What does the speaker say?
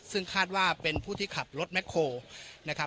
ซึ่งคาดว่าเป็นผู้ที่ขับรถแคลนะครับ